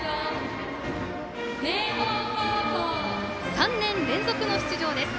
３年連続の出場です。